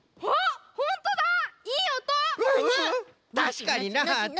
たしかになって。